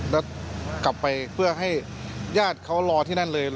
แล้วกลับไปเพื่อให้ญาติเขารอที่นั่นเลย